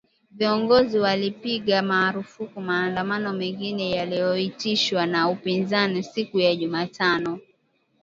Viongozi walipiga marufuku maandamano mengine yaliyoitishwa na upinzani siku ya Jumatano